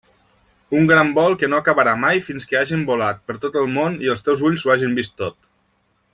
Un gran vol que no acabarà mai fins que hàgem volat per tot el món i els teus ulls ho hagen vist tot.